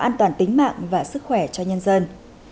an toàn tính mạng và sức khỏe cho nhân dân